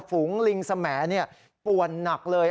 ฝูงลิงสมแหมนี่ปวดหนักเลย